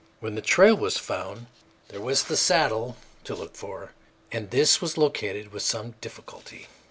When the trail was found, there was the saddle to look for, and this was located with some difficulty.